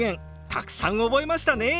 たくさん覚えましたね！